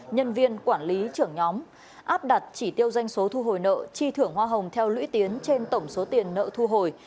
nhân viên quản lý trưởng nhóm áp đặt chỉ tiêu doanh số thu hồi nợ chi thưởng hoa hồng theo lũy tiến trên tổng số tiền nợ thu hồi